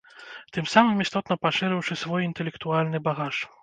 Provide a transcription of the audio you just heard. Тым самым істотна пашырыўшы свой інтэлектуальны багаж.